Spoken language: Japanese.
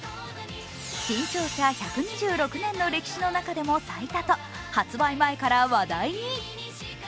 新潮社１２６年の歴史の中でも最多と発売前から話題に。